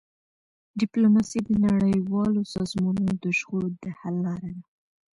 ډيپلوماسي د نړیوالو سازمانونو د شخړو د حل لاره ده.